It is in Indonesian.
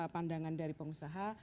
pandangan dari pengusaha